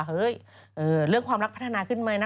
เฮ้ยเรื่องความลักษณะพัฒนาขึ้นมั้ยค่ะ